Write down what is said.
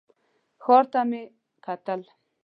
ښار ته مې وکتل.